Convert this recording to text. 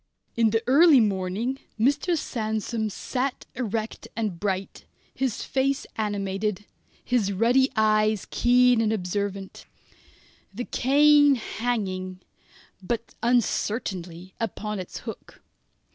In the early morning Mr. Sandsome sat erect and bright, his face animated, his ruddy eyes keen and observant, the cane hanging but uncertainly upon its hook.